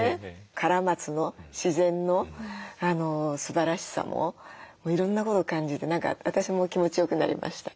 カラマツの自然のすばらしさもいろんなことを感じて何か私も気持ちよくなりました。